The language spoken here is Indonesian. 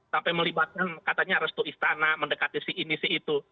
sampai melibatkan katanya restu istana mendekati si ini si itu